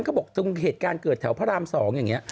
เขาบอกตรงเหตุการณ์เกิดแถวพระราม๒อย่างนี้